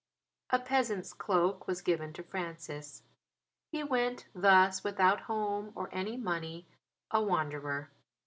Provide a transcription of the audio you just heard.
'" A peasant's cloak was given to Francis. He went thus, without home or any money, a wanderer.